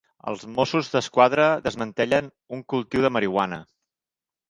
Els Mossos d'Esquadra desmantellen un cultiu de marihuana.